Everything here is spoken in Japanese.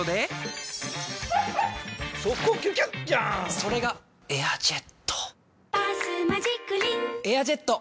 それが「エアジェット」「バスマジックリン」「エアジェット」！